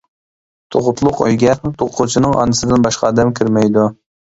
تۇغۇتلۇق ئۆيگە تۇغقۇچىنىڭ ئانىسىدىن باشقا ئادەم كىرمەيدۇ.